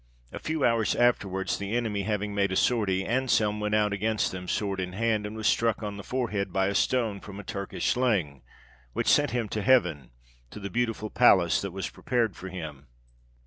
A few hours afterwards, the enemy having made a sortie, Anselme went out against them sword in hand, and was struck on the forehead by a stone from a Turkish sling, which sent him to heaven, to the beautiful palace that was prepared for him."